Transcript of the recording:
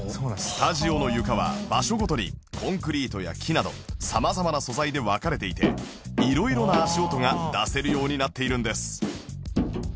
スタジオの床は場所ごとにコンクリートや木など様々な素材で分かれていて色々な足音が出せるようになっているんです